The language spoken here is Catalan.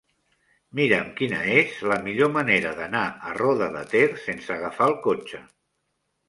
Mira'm quina és la millor manera d'anar a Roda de Ter sense agafar el cotxe.